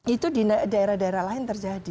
itu di daerah daerah lain terjadi